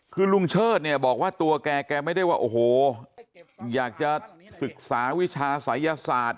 คือลุงเชิดเนี่ยบอกว่าตัวแกแกไม่ได้ว่าโอ้โหอยากจะศึกษาวิชาศัยศาสตร์